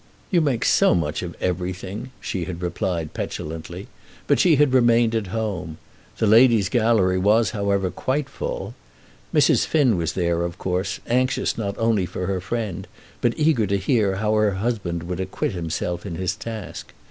"You make so much of everything," she had replied petulantly; but she had remained at home. The ladies' gallery was, however, quite full. Mrs. Finn was there, of course, anxious not only for her friend, but eager to hear how her husband would acquit himself in his task.